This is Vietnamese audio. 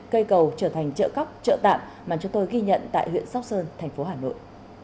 cây cầu trở thành chợ cóc chợ tạm mà chúng tôi ghi nhận tại huyện sóc sơn thành phố hà nội